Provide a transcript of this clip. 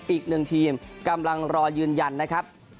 อีกหนึ่งทีมกำลังรอยืนยันนะครับ